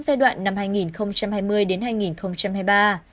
trong giai đoạn năm hai nghìn hai mươi hai nghìn hai mươi ba